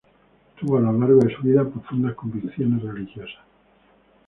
Tuvo a lo largo de su vida profundas convicciones religiosas.